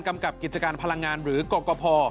กับกิจการพลังงานหรือกรกภ